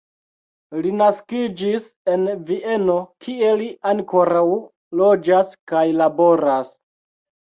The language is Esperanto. Li naskiĝis en Vieno, kie li ankoraŭ loĝas kaj laboras.